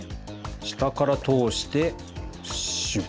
したからとおしてシュッ。